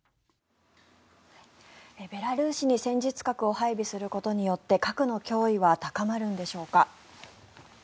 ベラルーシに戦術核を配備することによって核の脅威は高まるんでしょうか。